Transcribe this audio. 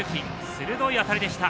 鋭い当たりでした。